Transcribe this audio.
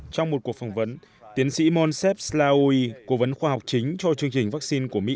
trong một cuộc phỏng vấn tiến sĩ monsep slaoui cố vấn khoa học chính cho chương trình vaccine của mỹ